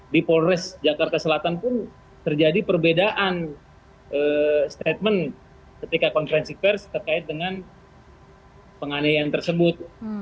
di polres jakarta selatan pun terjadi perbedaan statement ketika konferensi pers terkait dengan penganiayaan tersebut